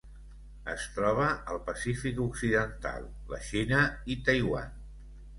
Es troba al Pacífic occidental: la Xina i Taiwan.